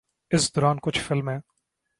اس دوران کچھ فلمیں